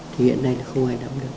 thì hiện nay là không ai nắm được